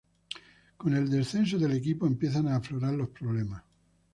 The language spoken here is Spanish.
Con el descenso del equipo empiezan a aflorar los problemas.